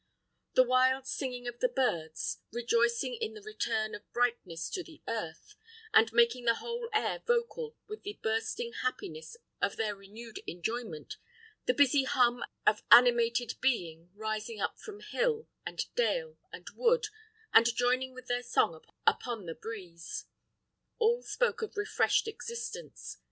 The wild singing of the birds, rejoicing in the return of brightness to the earth, and making the whole air vocal with the bursting happiness of their renewed enjoyment; the busy hum of animated being rising up from hill, and dale, and wood, and joining with their song upon the breeze; all spoke of refreshed existence.